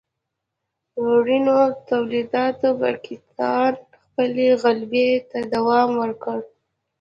وړینو تولیداتو پر کتان خپلې غلبې ته دوام ورکړ.